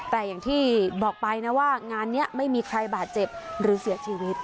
แต่อย่างที่บอกไปนะว่างานนี้ไม่มีใครบาดเจ็บหรือเสียชีวิต